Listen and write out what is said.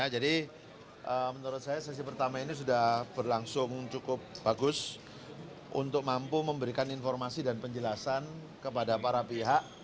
jadi menurut saya sesi pertama ini sudah berlangsung cukup bagus untuk mampu memberikan informasi dan penjelasan kepada para pihak